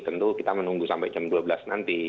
tentu kita menunggu sampai jam dua belas nanti